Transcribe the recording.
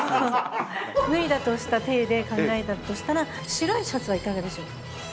脱いだとした体で考えたとしたら、白いシャツはいかがでしょう。